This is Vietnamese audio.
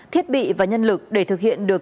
thiết bị và nhân lực để thực hiện được